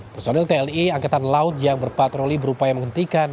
personil tni angkatan laut yang berpatroli berupaya menghentikan